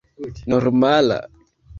normala